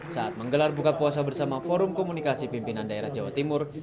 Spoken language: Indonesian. saat menggelar buka puasa bersama forum komunikasi pimpinan daerah jawa timur